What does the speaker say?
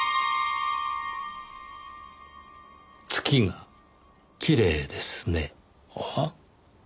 月がきれいですね。は？